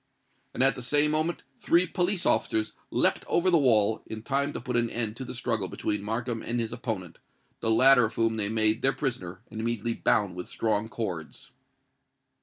And at the same moment three police officers leapt over the wall, in time to put an end to the struggle between Markham and his opponent, the latter of whom they made their prisoner and immediately bound with strong cords.